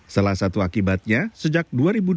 salah satu akibatnya sejak dua ribu dua belas